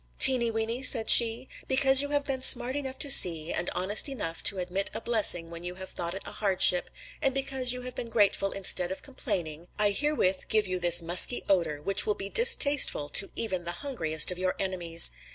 "'Teeny Weeny,' said she, 'because you have been smart enough to see, and honest enough to admit a blessing in what you had thought a hardship, and because you have been grateful instead of complaining, I herewith give you this musky odor, which will be distasteful to even the hungriest of your enemies.